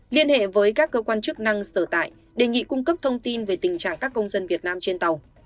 liên hệ với các cơ quan chức năng sở tại đề nghị cung cấp thông tin về tình trạng các công dân việt nam trên tàu